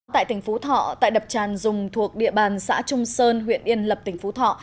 tại tỉnh phú thọ tại đập tràn dùng thuộc địa bàn xã trung sơn huyện yên lập tỉnh phú thọ